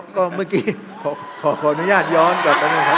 ก็เมื่อกี้ขออนุญาตย้อนก่อนหนึ่งครับ